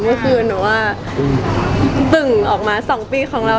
เมื่อคืนหนูว่าตึ่งออกมา๒ปีของเรา